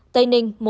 tây ninh một